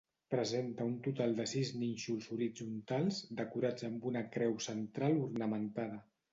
Presenta un total de sis nínxols horitzontals decorats amb una creu central ornamentada.